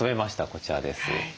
こちらです。